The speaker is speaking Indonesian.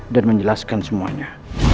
dan menjelaskan semuanya